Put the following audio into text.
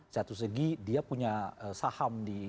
satu segi dia punya saham di